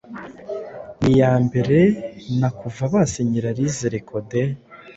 niyambere na kuva basinyira Rise Recode